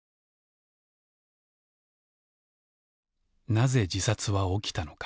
なぜ自殺は起きたのか。